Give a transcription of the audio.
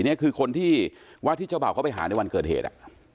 นี่คือคนที่ว่าที่เจ้าบ่าวเขาไปหาในวันเกิดเหตุ